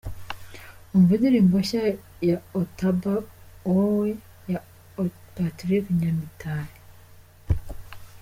Umva indirimbo nshya "Iyo ataba wowe" ya Patrick Nyamitali.